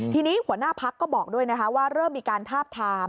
ทีนี้หัวหน้าพักก็บอกด้วยนะคะว่าเริ่มมีการทาบทาม